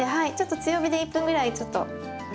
強火で１分ぐらいちょっと。